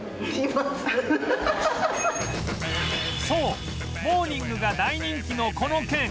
そうモーニングが大人気のこの県